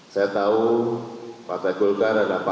saya tahu partai bulgar adalah partai besar